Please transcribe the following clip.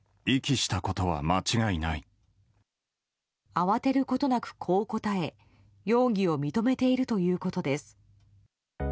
慌てることなく、こう答え容疑を認めているということです。